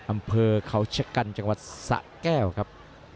อำเภอเขาชะกันจังหวัดสะแก้วครับ